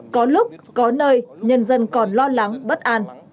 có lúc có nơi nhân dân còn lo lắng bất an